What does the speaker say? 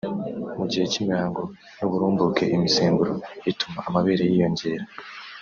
mu gihe cy’imihango n’uburumbuke imisemburo ituma amabere yiyongera